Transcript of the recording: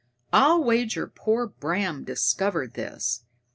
I'll wager poor Bram discovered this.